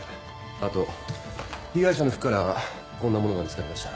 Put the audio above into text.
あと被害者の服からこんなものが見つかりました。